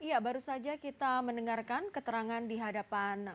iya baru saja kita mendengarkan keterangan di hadapan